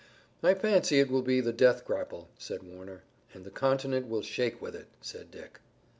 "I fancy it will be the death grapple," said Warner. "And the continent will shake with it," said Dick.